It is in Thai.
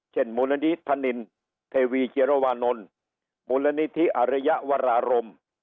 เช่นมูลนิธิพะนินเทวีเกียรวาณนท์มูลนิธิอรยวรารมณ์